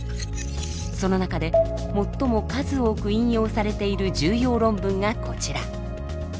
その中で最も数多く引用されている重要論文がこちら。